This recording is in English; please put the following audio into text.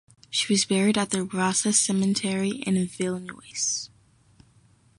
She was buried at the Rossa Cemetery in Vilnius.